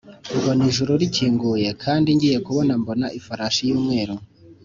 Mbona ijuru rikinguye kandi ngiye kubona mbona ifarashi y’umweru.